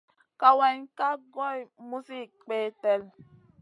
Kawayna ka goy muzi peldet.